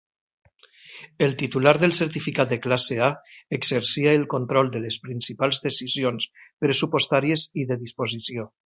El titular del certificat de classe A exercia el control de les principals decisions pressupostàries i de disposició.